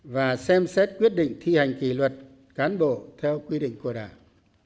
và xem xét quyết định thi hành kỷ luật cán bộ theo quy định của đảng